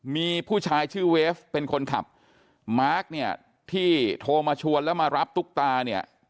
มีผู้ชายชื่อเวฟเป็นคนขับมาร์คเนี่ยที่โทรมาชวนแล้วมารับตุ๊กตาเนี่ย